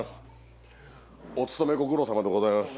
お勤めご苦労さまでございます。